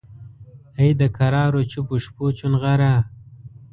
ای دکرارو چوپو شپو چونغره!